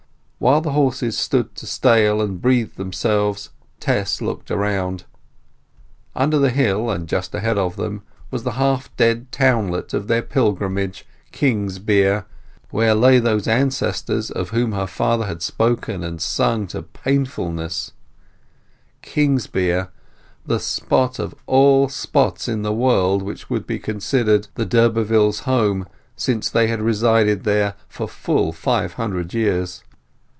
While the horses stood to stale and breathe themselves Tess looked around. Under the hill, and just ahead of them, was the half dead townlet of their pilgrimage, Kingsbere, where lay those ancestors of whom her father had spoken and sung to painfulness: Kingsbere, the spot of all spots in the world which could be considered the d'Urbervilles' home, since they had resided there for full five hundred years.